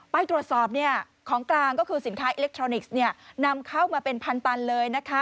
ไปตรวจสอบของกลางก็คือสินค้าอิเล็กทรอนิกส์นำเข้ามาเป็นพันตันเลยนะคะ